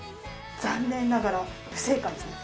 残念ながら不正解ですね。